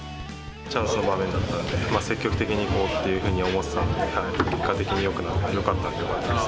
チャンスの場面だったので、積極的にいこうというふうに思っていたので、結果的によくなったのでよかったです。